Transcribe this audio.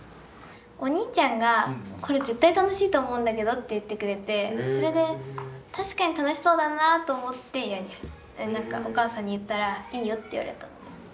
お兄ちゃんが「これ絶対楽しいと思うんだけど」って言ってくれてそれで「確かに楽しそうだな」と思って何かお母さんに言ったら「いいよ」って言われたので。